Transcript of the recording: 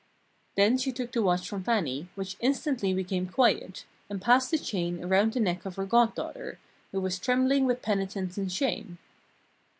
Then she took the watch from Fannie, which instantly became quiet, and passed the chain around the neck of her goddaughter, who was trembling with penitence and shame.